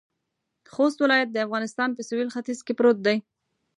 خوست ولایت د افغانستان په سویل ختيځ کې پروت دی.